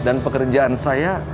dan pekerjaan saya